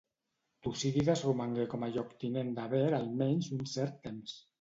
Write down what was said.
Tucídides romangué com a lloctinent de Ver almenys un cert temps.